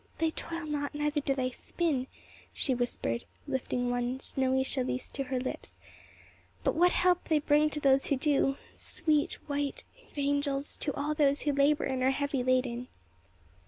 'They toil not, neither do they spin,'" she whispered, lifting one snowy chalice to her lips; "but what help they bring to those who do sweet, white evangels to all those who labor and are heavy laden!"